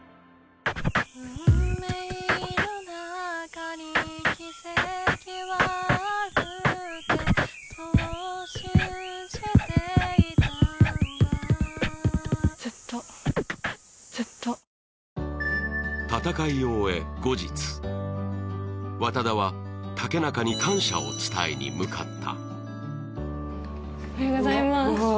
運命の中に奇跡はあるってそう信じていたんだずっとずっと戦いを終え後日和多田は竹中に感謝を伝えに向かったおはようございますうわ